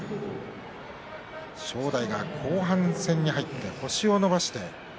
正代、後半戦に入って星を伸ばしています。